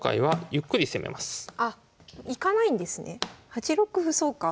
８六歩そうか。